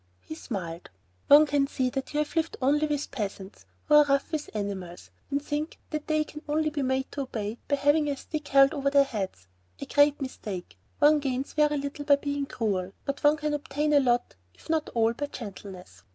He smiled. "One can see that you have lived only with peasants who are rough with animals, and think that they can only be made to obey by having a stick held over their heads. A great mistake. One gains very little by being cruel, but one can obtain a lot, if not all, by gentleness.